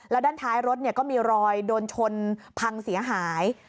แล้วด้านท้ายรถก็มีรอยโดนชนพังเสียหาย